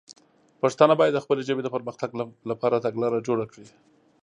پښتانه باید د خپلې ژبې د پر مختګ لپاره تګلاره جوړه کړي.